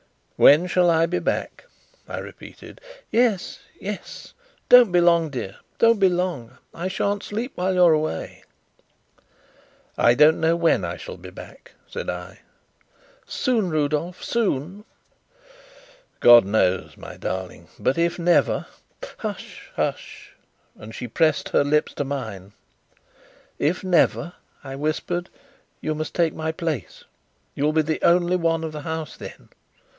"When shall I be back?" I repeated. "Yes, yes! Don't be long, dear, don't be long. I shan't sleep while you're away." "I don't know when I shall be back," said I. "Soon, Rudolf, soon?" "God knows, my darling. But, if never " "Hush, hush!" and she pressed her lips to mine. "If never," I whispered, "you must take my place; you'll be the only one of the House then.